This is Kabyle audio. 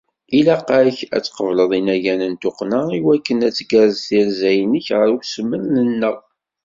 Ilaq-ak ad tqebleḍ inagan n tuqqna iwakken ad tgerrez tirza-inek qer usmel-nneɣ.